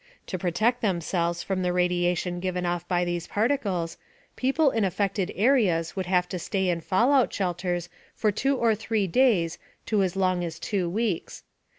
To protect themselves from the radiation given off by these particles, people in affected areas would have to stay in fallout shelters for 2 or 3 days to as long as 2 weeks.